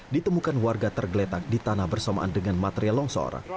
ditemukan warga tergeletak di tanah bersamaan dengan material longsor